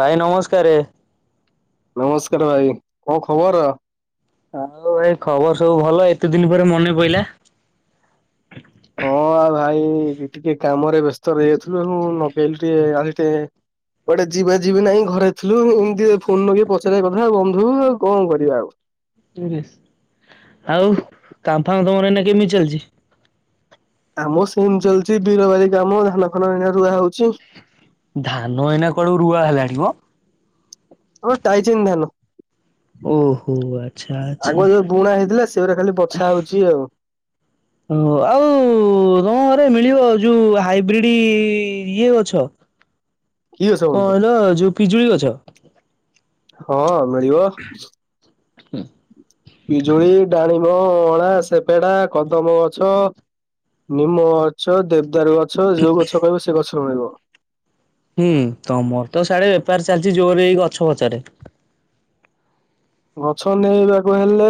ଭାଇ ନମସ୍କାରେ। ନମସ୍କାର ଭାଇ କଣ ଖବର? ଆଉ ଭାଇ ଖବର ସବୁ ଭଲ ଏତେ ଦିନ ପରେ ମନେ ପଇଲା? ହଁ ଭାଇ ଟିକେ କାମରେ ବ୍ୟସ୍ତ ରହି ଯାଉଥିଲୁ ମୋବାଇଲ୍ ଟିକେ ଆଣି ଟେ କୁଆଡେ ଯିବା ଯିବି ନାଇଁ ଘରେ ଥିଲୁ ଏମିତି ଫୋନ ଲଗେଇ ପଚାରିବା କଥା ଆଉ ବନ୍ଧୁ କଣ କରିବା ଆଉ। ଆଉ କାମ ଫାମ ତମର ଏଇନା କେମିତି ଚାଲିଛି? ଆମ ସେମିତି ଚାଲିଛି ବୀର ବାଡି କାମ ଧାନ ଫାନ ରୁଆ ହଉଛି। ଧାନ ଏଇନା କୁଆଡୁ ରୁଆ ହେଲାଣିି ମୋ? ହଁ ଟାଇଚନ୍ ଧାନ ଓହୋ ଆଚ୍ଛା ଆଚ୍ଛା। ଆଗ ଯୋଉ ବୁଣା ହେଇଥିଲା ସେଗଡା ଖାଲି ବଛା ହଉଛି ଆଉ ଓ ଆଉ ତମ ଘରେ ମିଳିବ ଯୋଉ ହାଇବ୍ରିଡ ଇଏ ଗଛ କି ଗଛ କଣ ବନ୍ଧୁ? କହିଲ ଯୋଉ ପିଜୁଳି ଗଛ ହଁ ମିଳିବ ପିଜୁଳି ଡ଼ାଳିମ୍ୱ ଅଁଳା ସେପେଡା କଦମ ଗଛ ନିମ ଗଛ ଦେବଦାରୁ ଗଛ ଯୋଉ ଗଛ କହିବ ସେ ଗଛ ମିଳିବ ହୁଁ ତମର ତ ସାଡେ ବେପାର ଚାଲିଛି ଜୋରରେ ଏଇ ଗଛ ପଛରେ ଗଛ ନବାକୁ ହେଲେ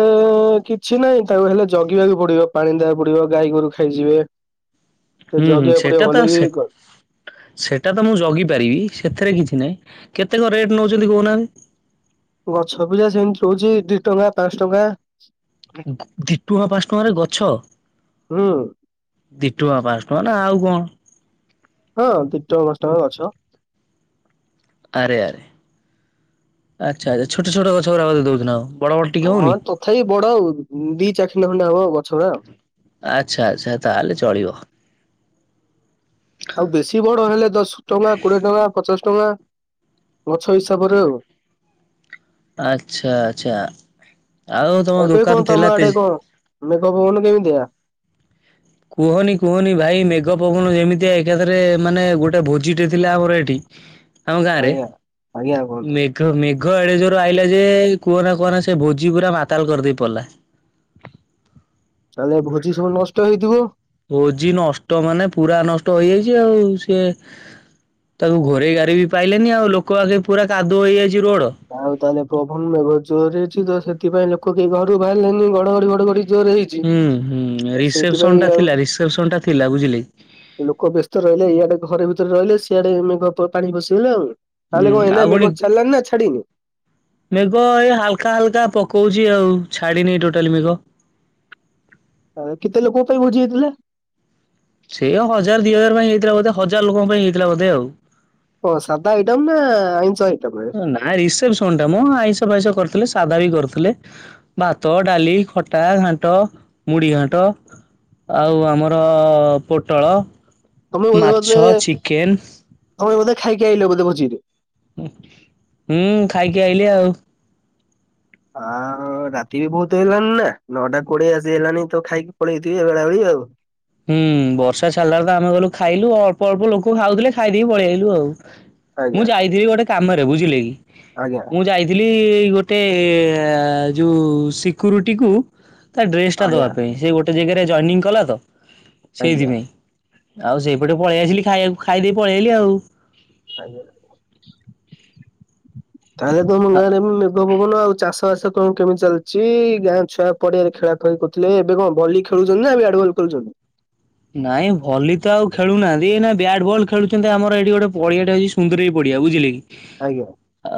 କିଛି ନାହିଁ ତାକୁ ହେଲେ ଜଗିବାକୁ ପଡିବ ପାଣି ଦବାକୁ ପଡିବ ଗାଈ ଗୋରୁକୁ ଖାଇଯିବେ ସେ ହୁଁ ହୁଁ ଜଗିଆ ପଡିବ ସେଟା ତ ଭଲ ସେ କି ସେଟା ତ ମୁଁ ଜଗି ପାରିବି ସେଥିରେ କିଛି ନାହିଁ କେତେକଣ ରେଟ୍ ନଉଛନ୍ତି କହୁନାହାନ୍ତି ଗଛ ପିଲା ସେମିତି ରହୁଛି ଦି ଟଙ୍କା ପାଞ୍ଚ ଟଙ୍କା ଦି ଟଙ୍କା ପାଞ୍ଚ ଟଙ୍କାରେ ଗଛ ହୁଁ ଦି ଟଙ୍କା ପାଞ୍ଚ ଟଙ୍କା ନା ଆଉ କଣ ହଁ ଦି ଟଙ୍କା ପାଞ୍ଚ ଟଙ୍କା ଗଛ ଆରେ ଆରେ ଆଚ୍ଛା ଆଚ୍ଛା ଛୋଟ ଛୋଟ ଗଛ ଅରା ଦେଉ ନା ଆଉ ବଡ ବଡ ଟିକେ ହଁ ହଉନି? ତଥାପି ବଡ ଆଉ ଦି ଚାରଖିଣ୍ଡ ଖଣ୍ଡା ହବ ଗଛ ଗଡା ଆଚ୍ଛା ଆଚ୍ଛା ତାହେଲେ ଚଳିବ ଆଉ ବେଶୀ ବଡ ହେଲେ ଦଶ ଟଙ୍କା କୋଡିଏ ଟଙ୍କା ପଚାଶ ଟଙ୍କା ଗଛ ହିସାବରେ ଆଉ ଆଛା ଆଛା ଆଉ ତମ ଏବେ କଣ ଦୋକାନ ତମ ଥିଲା ଆଡେ ତେଜ କଣ ମେଘ ପବନ କେମିତିଆ କୁହନି କୁହନି ଭାଇ ମେଘ ପବନ ଯେମିତିଆ ଏକାଥରେ ମାନେ ଗୋଟେ ଭୋଜିଟେ ଥିଲା ଆମର ଏଠି ଆମ ଗାଁ ରେ ଆଜ୍ଞା ଆଜ୍ଞା କୁହନ୍ତୁ ମେଘ ମେଘ ଏଡେ ଜୋର ଆଇଲା ଯେ କୁହ ନା କୁହନା ସେ ଭୋଜି ପୁରା ମାତାଲ କରିଦେଇ ପଡିଲା ତାହେଲେ ଭୋଜି ସବୁ ନଷ୍ଟ ହେଇଥିବ ଭୋଜି ନଷ୍ଟ ମାନେ ପୁରା ନଷ୍ଟ ହେଇଯାଇଛି ଆଉ ସେଏ ତାକୁ ଘୋରେଇ ଘାରେଇ ବି ପାଇଲେନି ଆଉ ଲୋକ ଆସୀ ପୁରା କାଦୁଅ ହେଇଯାଇଛି ରୋଡ ଆଉ ତାହେଲେ ପ୍ରଭନ ବେଘ ଜୋର ହେଇଛି ତ ସେଥିପାଇଁ ଲୋକ କେହି ଘରୁ ବାହାରିଲେନି ଘଡଘଡି ଘଡଘଡି ଜୋର ହେଇଛି ହୁଁ ତ ହୁଁ ସେଇଥିପାଇଁ ରିସେପସନ ଟା ଆଉ ଥିଲା ରିସେପସନ ଟା ଥିଲା ବୁଝିଲେ ଲୋକ ବ୍ୟସ୍ତ ରହିଲେ ଇଆଡେ ଘରେ ଭିତରେ ରହିଲେ ସିଆଡେ ପାଣି ପଶିଗଲା ଆଉ ତାହେଲେ ହୁଁ କଣ ଏଇନା ମେଘ ଆଉପୁଣି ଛାଡିଲାଣି ନା ଛାଡିନି ମେଘ ଏଇ ହାଲକା ହାଲକା ପକଉଛି ଆଉ ଛାଡିନି ଟୋଟାଲ ମେଘ ଆ କେତେ ଲୋକଙ୍କ ପାଇଁ ଭୋଜିି ହୋଇଥିଲା ସେଇ ଆଉ ହଜାର ଦି ହଜାର ପାଇଁ ହେଇଥିଲା ବୋଧେ ହଜାର ଲୋକଙ୍କ ପାଇଁ ହେଇଥିଲା ବୋଧେ ଆଉ ଓ ସାଧା ଆଇଟମ୍ ନା ଆଇଁଷ ଆଇଟମ ନାଁ ରିସେପଶନଟା ମଁ ଆଇସ ଫାଇସ କରିଥିଲେ ସାଧା ବି କରିଥିଲେ ଭାତ ଡାଲି ଖଟା ଘାଣ୍ଟ ମୁଢି ଘାଣ୍ଟ ଆଉ ଆମର ପୋଟଳ ତମେ ବୋଧେ ବୋଧେ ମାଛ ଚିକେନ ତମେ ବଧେ ଖାଇକି ଆଇଲ ଭୋଜି ରେ ହୁଁ ଖାଇକି ଆଇଲି ଆଉ ହଁ ରାତି ବି ବହୁତ ହେଇଲାନି ନା ନଅଟା କୋଡିଏ ଆସି ହେଲଲାଣି ତ ଖାଇକି ପଳେଇଥିବେ ବେଳାବେଳୀ ଆଉ ହୁଁ ବର୍ଷା ଛାଡିଲା ତ ଆମେ ଗଲୁ ଖାଇଲୁ ଅଳ୍ପ ଅଳ୍ପ ଲୋକ ଖାଉଥିଲେ ଖାଇଦେକି ପଳେଇଆଇଲୁ ଆଉ ମୁଁ ଆଜ୍ଞା ଯାଇଥିଲି ଗୋଟେ କାମରେ ବୁଝିଲେ କି। ଆଜ୍ଞା। ମୁଁ ଯାଇଥିଲି ଗୋଟେ ଯେଉ ସିକ୍ୟୁରିଟିକୁ ତା ଡ୍ରେସ ଟା ଆଜ୍ଞା ଦବା ପାଇଁ ସେ ଗୋଟେ ଜାଗାରେ ଜଏନିଂ କଲା ତ ଆଜ୍ଞା ସେଇଥିପାଇଁ ଆଉ ସେଇପଟେ ପଳେଆସିଲି ଖାଇବାକୁ ଖାଇ ଦେଇକି ପଳେଇ ଆଇଲି ଆଉ ତାହଲେ ତମ ଗାଁ ଆ ପବନ ଆଉ ଚାଷ ବାସ କ କେମିତି ଚାଲିଛି ଗାଁ ଛୁଆ ପଡିଆରେ ଖେଳା ଖେଳି କରୁ ଥିଲେ ଏବେ କଣ ଭଲି ଖେଳୁଛନ୍ତି ନା ବ୍ୟାଟବଲ ଖେଳୁଛନ୍ତି। ନାଇଁ ଭଲି ତ ଆଉ ଖେଳନାହାନ୍ତି ଏଇନା ବ୍ୟାଟ ବଲ ଖେଳୁଛନ୍ତି ଆମର ଏଇଠି ଗୋଟେ ପଡିଆଟେ ଅଛି। ସୁନ୍ଦୁରେଇ ପଡିଆ ବୁଝିଲେ କି। ଆଜ୍ଞା।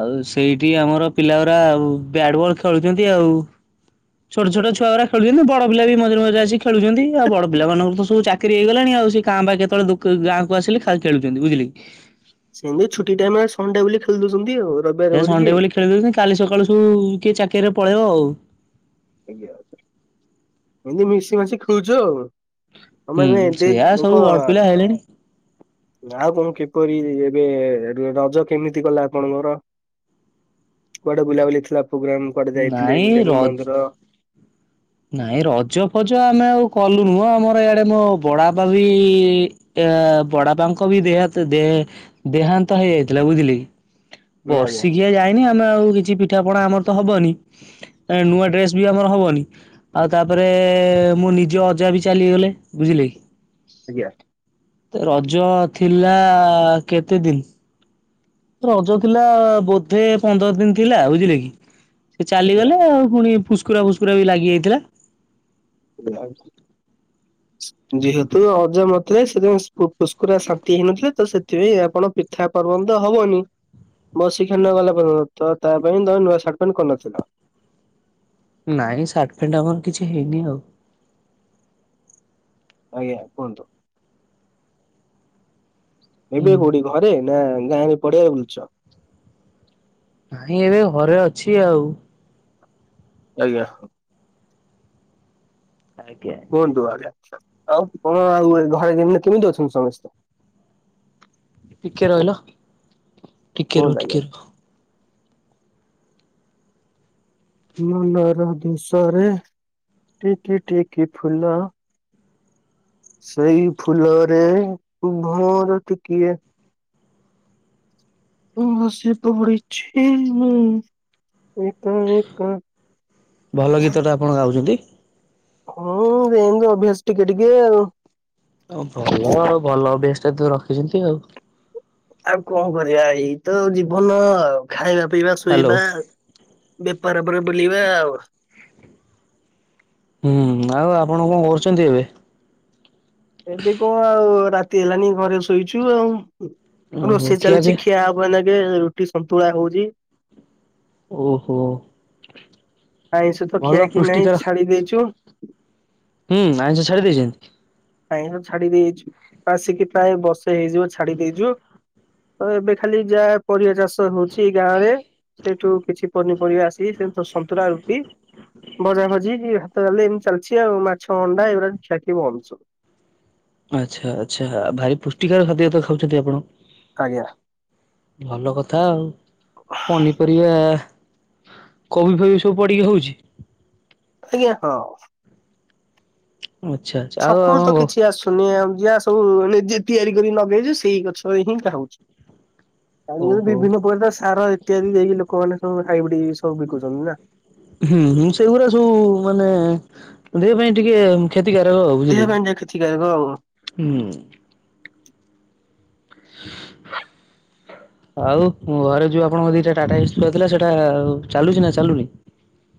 ଆଉ ସେଇଠି ଆମର ପିଲା ଗୁରା ଆଉ ବ୍ୟାଟ ବଲ୍ ଖେଳୁଛନ୍ତି ଆଉ। ଛୋଟ ଛୋଟ ଛୁଆଗୁରା ଖେଳୁଛନ୍ତି ବଡ ପିଲା ବି ମଝିରେ ମଝିରେ ଆସିି ଖେଳୁଛନ୍ତି ଆଉ ବଡ ପିଲାମାନଙ୍କର ତ ସବୁ ଚାକିରି ହେଇଗଲାଣି ଆଉ ସେ କାଁ ଭା କେତେବେଳେ ଗାଁକୁ ଆସିଲେ ଖାଲି ଖେଳୁଛନ୍ତି ବୁଝିଲେ କି। ସେମିତି ଛୁଟି ଟାଇମରେ ସନଡେ ବୋଲି ଖେଳି ଦଉଛନ୍ତି ଆଉ। ରବିବାର ହେ କରିକି। ସଣ୍ଡେ ବୋଲି ଖେଳି ଦଉଛନ୍ତି କାଲି ସକାଳୁ ସବୁ କିଏ ଚାକିରିରେ ପଳେଇବ ଆଉ। ଆଜ୍ଞା ଏମିତି ମିସି ମାସିକି ଖେଲୁଚ ଆଉ। ତମେ ହୁଁ ଏବେ ସେଆ ସବୁ କଣ ବଡ ପିଲା ହେଲେଣି ଆଉ କଣ କିପରି ଏବେ ରଜ କେମିତି ଗଲା ଆପଣଙ୍କର। କୁଆଡେ ବୁଲାବୁଲି ଥିଲା ପ୍ରୋଗ୍ରାମ କୁଆଡେ ଯାଇଥିଲେ ନାଇଁ ର ବୁଲିଆକୁ ମନ୍ଦିର ନାଇଁ ରଜ ଫଜ ଆମେ ଆଉ କଲୁ ନୁହଁ ଆମର ଇଆଡେ ମୋ ବଡା ପା ବି ଏ ବଡାପାଙ୍କ ବି ଦେହ ଦେହ ଦେହାନ୍ତ ହେଇଯାଇଥିଲା ବୁଝିଲେ କି। ଆଜ୍ଞା ବର୍ଷିକିଆ ଯାଇନି ଆମେ ଆଉ କିଛି ପିଠା ପଣା ଆମର ତ ହବନି ନୂଆ ଡ୍ରେସ ବି ଆମର ହବନି। ଆଉ ତାପରେ ମୋ ନିଜ ଅଜା ବି ଚାଲିଗଲେ ବୁଝିଲେ କି। ଆଜ୍ଞା। ରଜ ଥିଲା କେତେ ଦିନ। ରଜ ଥିଲା ବୋଧେ ପନ୍ଦର ଦିନ ଥିଲା ବୁଝିଲେ କି। ସେ ଚାଲିଗଲେ ଆଉ ପୁଣି ଫୁସ୍କୁରା ଫୁସ୍କୁରା ବି ଲାଗି ଯାଇଥିଲା। [inaudible] ଯେହେତୁ ଅଜା ମରିଥିଲେ ସେଥିପାଇ ପୁସ୍କୁରା ଶାନ୍ତି ହେଇନଥିଲା ତ ସେଥିପାଇଁ ଆପଣ ପି ଥା ପର୍ବାଣୀ ତ ହବନି। ବର୍ଷିକିଆ ନ ଗଲା ପଯ୍ୟନ୍ତ ତ ତା ପାଇଁ ତ ନୂଆ ସାର୍ଟ ପେଣ୍ଟ କରିନଥିଲା। ନାଇଁ ସାର୍ଟ ଫ୍ୟାଣ୍ଟ ଆମର କିଛି ହେଇନି ଆଉ। ଆଜ୍ଞା କୁହନ୍ତୁ ହୁଁ ଏବେ କୋଉଠି। ଘରେ ନା ଗାଁରେ ପଡିଆରେ ବୁଲୁଛ। ନାଇଁ ଏବେ ଘରେ ଅଛି ଆଉ। ଆଜ୍ଞା ଆଜ୍ଞା କୁହନ୍ତୁ ଆଜ୍ଞା ଉ କଣ ଆଉ ଘରେ କେମିତି ଅଛନ୍ତି ସମସ୍ତେ। ଟିକେ ରହିଲ ଟିକେ ରୁହ କୁହନ୍ତୁ ଆଜ୍ଞା? ଟିକେ ରୁହ। ମନର ଦେଶରେ ଟିକେ ଟିକେ ଫୁଲ। ସେଇ ଫୁଲରେ ଭଅର୍ ଟିକିଏ ହ ସେତ ପଢ଼ିଛି ମୁ ଏକା ଏକା ଭଲ ଗୀତ ତ ଆପଣ ଗାଉଛନ୍ତି। ହଁ ମୁଁ ଏମତି ଅଭ୍ୟାସ ଟିକେ ଟିକେ ଆଉ। ଆଉ ଭଲ ଆଉ ଭଲ ଅଭ୍ୟାସ ଟା ତ ରଖିଛନ୍ତି ଆଉ। ଆଉ କଣ କରିବା ଏଇ ତ ଜୀବନ ଆଉ ଖାଇବା ପିଇବା ହ୍ୟାଲୋ ଶୋଇବା। ବେପାର ପରେ ବୁଲିବା ଆଉ। ହୁଁ ଆଉ ଆପଣ କଣ କରୁଛନ୍ତି ଏବେ? ଏବେ କଣ ଆଉ ରାତି ହେଲାନି ଘରେ ଶୋଇଛୁ ଆଉ ଓହୋ ରୋଷେଇ ଖିଆପିଆ ଚାଲିଛି ଖିଆ ହବ। ମୁଁ ଏଇ ନଗେ ରୁଟି ସନ୍ତୁଳା ହଉଛି। ଓହୋ ଆଇଷ ତ ଭଲ ଖିଆଖି ନାହିଁ ପୃଷ୍ଟିକର ଛାଡି ଦେଇଛୁ। ହୁଁ ଆଇଁଷ ଛାଡି ଦେଇଛନ୍ତି। ଆଇସ ଛାଡି ଦେଇେଛୁ ଆସିକି ପ୍ରାୟ ବର୍ଷେ ହେଇଯିବ ଛାଡି ଦେଇଛୁ। ତ ଏବେ ଖାଲି ଯାହା ପରିବା ଚାଷ ହଉଛି ଗାଁ ରେ ସେଇଠୁ କିଛି ପନିପରିବା ଆସିକି ସେ ସନ୍ତୁରା ରୁଟି ଭଜା ଭଜି ଭାତ ଡାଲି ଏମିତି ଚାଲିଛି ଆଉ ମାଛ ଅଣ୍ଡା ଏଗୁଡା ଖିଆ ଖିଇ ବନ୍ଦ ସବୁ। ଆଚ୍ଛା ଆଚ୍ଛା ଭାଇ ପୁଷ୍ଟିକାର ଖାଦ୍ୟ ତ ଖାଉଛନ୍ତି ଆପଣ। ଆଜ୍ଞା। ଭଲ କଥା ଆଉ ପନିପରିବା କୋବି ଫୋବିଶ୍ ସବୁ ପଡ଼ିକି ହଉଚି? ଆଜ୍ଞା ହଁ। ଆଚ୍ଛା। ଆଉ ଛକ ରୁ ତ ଆପଣଙ୍କ କିଛି ଆସୁ ସୁନିଆ ଉଜିଆ ସବୁ ନିଜେ ତିଆରି କରିକି ନଗେଇଚୁ ସେଇ ଗଛରେ ହିଁ ଖାାଉଚୁ। ପାଣି ଓହୋ ବିଭିନ୍ନ ପ୍ରକାର ତ ସାର ଇତ୍ୟାଦି ଦେଇକି ଲୋକମାନେ ତ ସବ ହାଇବିଡି ସବୁ ବିକୁଛନ୍ତି ନା? ହୁଁ ହୁଁ ସେଗୁରା ସବୁ ମାନେ ଦେହ ପାଇଁ ଟିକେ କ୍ଷତିକାରକ ଦେହ ବୁଝିଲେ ପାଇଁ ଟିକେ କ୍ଷତିକାରକ ଆଉ। କି ହୁଁ। [inaudible] ଆଉ ଘରେ ଯୋଉ ଆପଣଙ୍କ ଦିଟା ଟାଟାଏସି ଥୁଆ ହେଇଥିଲା ସେଇଟା ଚାଲୁଛି ନା ଚାଲୁନି?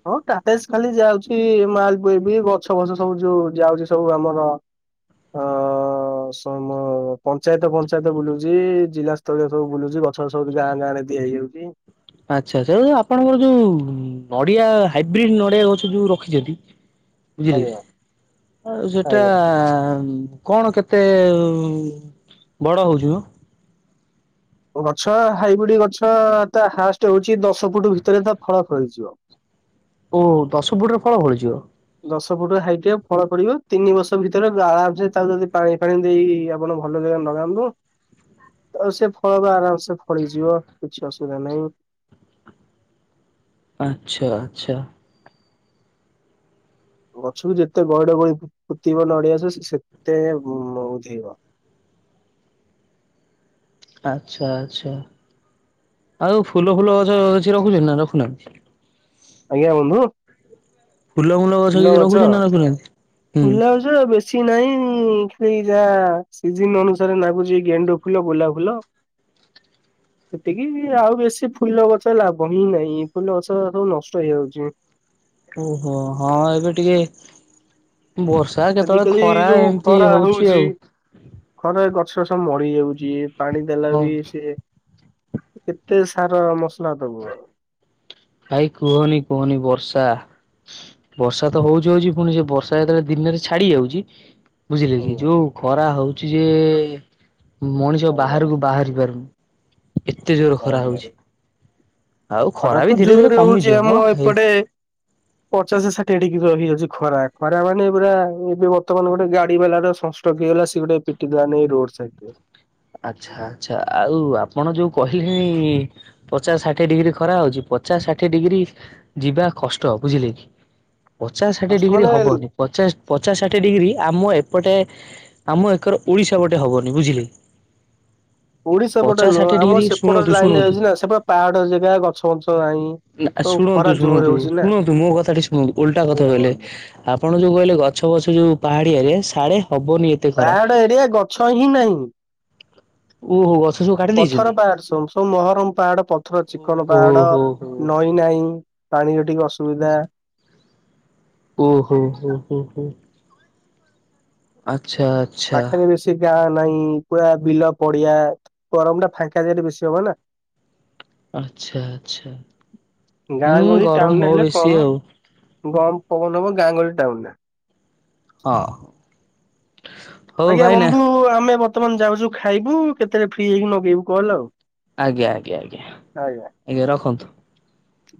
ହଁ ଟାଟାଏସି ଖାଲି ଯାଉଚି ମାଲ ବୁହା ବୁହି ଗଛ ଫଛ ସବୁ ଯୋଉ ଯାଉଛି ସବୁ ଆମର ଆ ସମ ପଞ୍ଚାୟତ ଫଞ୍ଚାୟତ ବୁଲୁଛି ଜିଲା ତ ଲ୍ୟା ସବୁ ବୁଲୁଛି ଗଛ ସବୁ ଗାଁ ଗାଁ ରେ ଦିଆ ହେଇଯାଉଚି। ଆଚ୍ଛା ଆଚ୍ଛା ଏ ଆପଣଙ୍କର ଯୋଉ ନଡିଆ ହାଇବ୍ରିଡ ନଡିଆ ଗଛ ଯୋଉ ରଖିଛନ୍ତି [inaudible] ବୁଝିଲେ କି? ଆଉ ସେଟା ଆଜ୍ଞା। କଣ କେତେ ଉମ୍ ବଡ ହଉଛି ମ? ମୋ ଗଛ ହାଇବ୍ରିଡ ଗଛ ତା ହାଷ୍ଟ ହଉଚି ଦଶ ଫୁଟ ଭିତରେ ତା ଫଳ ଫଳିଯିବ। ଓ ଦଶ ଫୁଟରେ ଫଳ ଫଳିଯିବ? ଦଶ ଫୁଟ ହାଇଟ୍ ଆଉ ଫଳ ଫଳିବ, ତିନି ବର୍ଷ ଭିତରେ ଆରାମସେ ତାକୁ ଯଦି ପାଣି ଫାଣି ଦେଇକି ଆପଣ ଭଲ ଜାଗାରେ ନଗାନ୍ତୁ ଆଉ ସେ ଫଳ ବା ଆରାମ ସେ ଫଳିଯିବ, କିଛି ଅସୁବିଧା ନାହିଁ। ଆଚ୍ଛା, ଆଚ୍ଛା। ଗଛକୁ ଯେତେ ଗହିଡ ଗଳି ପୋ-ପୋତିବ ନଡିଆ ଗଛ ସେ ସେତେ ଉମ୍ ଉଧେଇବ। ଆଚ୍ଛା, ଆଚ୍ଛା। ଆଉ ଫୁଲ ଫୁଲ ଗଛ କିଛି ରଖୁଛନ୍ତି ନା ରଖୁନାହାଁନ୍ତି? ଆଜ୍ଞା, ବନ୍ଧୁ ଫୁଲ ମୁଲ ଗଛ କିଛି ରଖୁଛନ୍ତି ନା ରଖୁନାହାଁନ୍ତି? ହୁଁ। କିଛି ନାଇଁ, ଖାଲି ଯାହା ସିିଜିନ୍ ଅନୁସାରେ ନାଗୁଛି ଗେଣ୍ଡୁ ଫୁଲ, ଗୋଲାପ ଫୁଲ। ସେତିକି ଆଉ ବେଶୀ ଫୁଲ ଗଛ ଲାଗୁ ହିଁ ନାହିଁ, ଫୁଲ ଗଛ ସବୁ ନଷ୍ଟ ହେଇଯାଉଚି। ଓହୋ। ହଁ, ଏବେ ଟିକେ ବର୍ଷ ତା କେତେବଳେ ଆଜିକାଲି ଖରା, ଯୋଉ ଏମତି ଖରା ହଉଛି ଆଉ। ଖରାରେ ଗଛ ସବୁ ମଡି ଯାଉଛି, ପାଣି ଦେଲା ହଁ ବି ସିଏ କେତେ ସାର ମସଲା ଦବୁ ଆଉ? ଭାଇ କୁହନି କୁହନି, ବର୍ଷା ବର୍ଷା ତ ହଉଚି ହଉଚି, ପୁଣି ସେ ବର୍ଷା ଯେତେବେଳେ ଦିନରେ ଛାଡି ଯାଉଚି ବୁଝିଲେ କି? ହଉ ଯୋଉ ଖରା ହଉଛି ଯେ, ମଣିଷ ଆଜ୍ଞା ବାହାରକୁ ବାହାରି ପାରୁନି। ଏତେ ଜୋର ଖରା ଆଜ୍ଞା ହଉଛି। ଆଉ ଖରା ବି ଧୀରେ ଧୀରେ ଜୋରେ ହଉଛି କମିଯିବ ଆମ ମ ହେଇ ଏପଟେ ପଚାଶ ଷାଠିଏ ଡିଗ୍ରୀ ରହିଯାଉଛି ଖରା। ଖରା ମାନେ ପୁରା ଏବେ ବର୍ତ୍ତମାନ ଗୋଟେ ଗାଡିବାଲାର ସଂସ୍ ଷ୍ଟ୍ରୋକ ହେଇଗଲା, ସିଏ ଗୋଟେ ପିଟିଦେଲା ନେଇକି ରୋଡ ସାଇଡରେ। ଆଚ୍ଛା ଆଚ୍ଛା। ଆଉ ଆପଣ ଯୋଉ କହିଲେଣି ପଚାଶ ଷାଠିଏ ଡିଗ୍ରୀ ଖରା ହଉଛି, ପଚାଶ ଷାଠିଏ ଡିଗ୍ରୀ ଯିବା କଷ୍ଟ, ବୁଝିଲେ କି? ପଚାଶ ଷାଠିଏ ସଂଷ୍ଟ୍ରୋକ ଡିଗ୍ରୀ ମାନେ ହବନି। ପଚାଶ ପଚାଶ ଷାଠିଏ ଡିଗ୍ରୀ ଆମ ଏପଟେ, ଆମ ଏକର ଓଡ଼ିଶା ପଟେ ହବନି, ବୁଝିଲେ? ଓଡିଶା ପଟେ ପଚାଶ ନୁହଁ। ଷାଠିଏ ଆମର ଡିଗ୍ରୀ ସେପଟ ଶୁଣନ୍ତୁ ଲାଇନରେ ଶୁଣନ୍ତୁ ଯାଉଛି ନା, ସେ ବା ପାହାଡ ଜେଗା, ଗଛ ମଞ୍ଚ ନାହିଁ ନା ତ ଖରା ଶୁଣନ୍ତୁ, ଜୋର ଶୁଣନ୍ତୁ, ହଉଛି ନା ଶୁଣନ୍ତୁ, ମୋ କଥାଟି ଶୁଣନ୍ତୁ, ଓଲଟା କଥା ଆଜ୍ଞା କହିଲେ କୁହନ୍ତୁ ଆପଣ ଯୋଉ କହିଲେ ଗଛ ବଛ ଯୋଉ ପାହାଡିଆରେ, ସାଡେ ହବନି ଏ ପାହାଡ ଏରିଆ, ଗଛ ହିଁ ନାହିଁ। ଓହୋ, ଗଛ ସବୁ କାଟି ପଥର ଦେଇଛନ୍ତି ପାହାଡ ସବୁ, ସବୁ ମହରମ୍ ପାହାଡ, ପଥର ଚିକ୍କଣ ଓହୋ ପାହାଡ ହୋ ହୋ ନଈ ନାହିଁ, ପାଣିର ଟିକେ ଅସୁବିଧା। ଓହୋ ହୋ, ହୋ, ହୋ, ଆଚ୍ଛା, ଆ ପାଖରେ ବେଶୀ ଗାଁ ନାଇଁ, ପୁରା ବିଲ ପଡିଆ, ଗରମଟା ଫାଙ୍କା ଜାଗାରେ ବେଶୀ ହବ ନା। [unintelligible] ଆଚ୍ଛା ଆଚ୍ଛା। ଗାଁ ହୁଁ, ଗରମ ହବ ବେଶୀ ଆଉ। ଗରମ ପବନ ହବ, ଗାଁ ଗହଳି ଟାଉନରେ। ହଁ। ହଉ ଆଜ୍ଞା ଭାଇନା ବନ୍ଧୁ, ଆମେ ବର୍ତ୍ତମାନ ଯାଉଛୁ ଖାଇବୁ, କେତେବେଳେ ଫ୍ରି ହେଇକି ନଗେଇବୁ କଲ୍ ଆଉ। ଆଜ୍ଞା, ଆଜ୍ଞା, ଆଜ୍ଞା। ଆଜ୍ଞା, ରଖନ୍ତୁ। ହ।